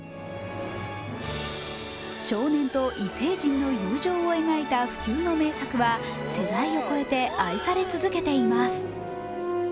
少年と異星人の友情を描いた不朽の名作は世代を越えて愛され続けています。